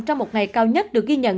trong một ngày cao nhất được ghi nhận